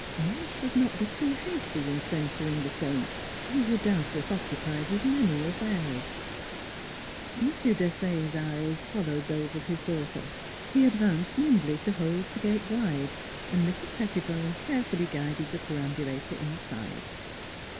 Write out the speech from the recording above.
... One should not be too hasty in censuring the saints, who were doubtless occu pied with many affairs. M. Desaye's eyes fol lowed those of his daughter. He advanced nim bly to hold the gate wide, and Mrs. Pettibone carefully guided the perambulator inside.